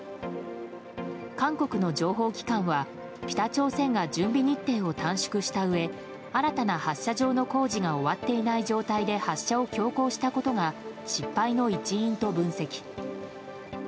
韓国の情報機関は北朝鮮が準備日程を短縮したうえ新たな発射場の工事が終わっていない状態で発射を強行したことが失敗の一因と分析。